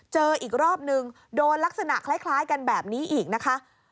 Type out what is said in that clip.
อีกรอบนึงโดนลักษณะคล้ายกันแบบนี้อีกนะคะ